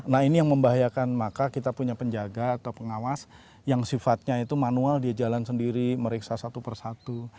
nah ini yang membahayakan maka kita punya penjaga atau pengawas yang sifatnya itu manual dia jalan sendiri meriksa satu persatu